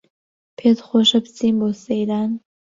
پێتخۆشە بچین بۆ سەیران